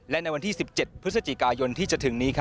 และในวันที่๑๗พฤศจิกายนที่จะถึงนี้